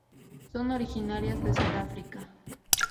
Son originarias de Sudáfrica.